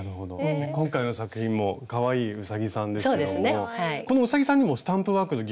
今回の作品もかわいいうさぎさんですけれどもこのうさぎさんにもスタンプワークの技法が使われているんですよね？